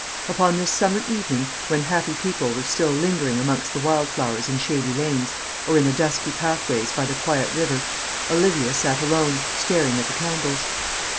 Upon this summer evening, when happy people were still lingering amongst the wild flowers in shady lanes, or in the dusky pathways by the quiet river, Olivia sat alone, staring at the candles.